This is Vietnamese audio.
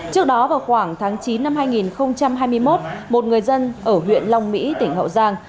trước đó vào khoảng tháng chín năm hai nghìn hai mươi một một người dân ở huyện long mỹ tỉnh hậu giang